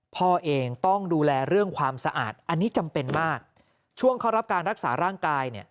พ่อเองต้องดูแลเรื่องความสะอาดอันนี้จำเป็นมากช่วงเข้ารับการรักษาร่างกายเนี่ย